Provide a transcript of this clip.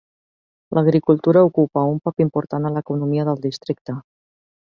L"agricultura ocupa un paper important a l"economia del districte.